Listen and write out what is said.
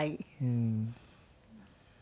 うん。